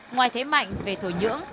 ngoài thế mạnh về thổi nhưỡng